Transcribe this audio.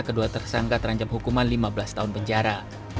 kedua tersangka terancam hukuman lima belas tahun penjara